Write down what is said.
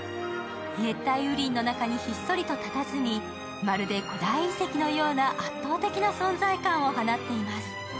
熱帯雨林の中にひっそりとたたずみまるで古代遺跡のような圧倒的な存在感を放っています。